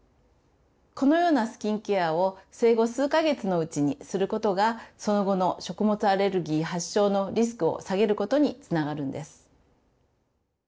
このようなスキンケアを生後数か月のうちにすることがその後の食物アレルギー発症のリスクを下げることにつながるんです。